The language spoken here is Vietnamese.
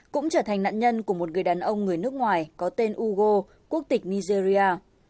cũng trở thành nạn nhân của một người đàn ông người nước ngoài có tên ugo quốc tịch nigeria